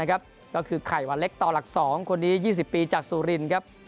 ก็คือไข่วันเล็กต่อหลัก๒คนนี้๒๐ปีจากสุรินครับ